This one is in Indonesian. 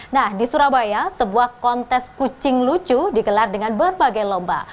nah di surabaya sebuah kontes kucing lucu dikelar dengan berbagai lomba